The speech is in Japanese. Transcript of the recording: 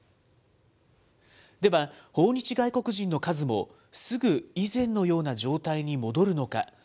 では、訪日外国人の数もすぐ以前のような状態に戻るのか。